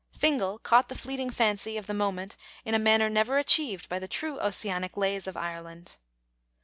Fingal caught the fleeting fancy of the moment in a manner never achieved by the true Ossianic lays of Ireland.